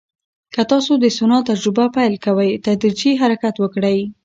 که تاسو د سونا تجربه پیل کوئ، تدریجي حرکت وکړئ.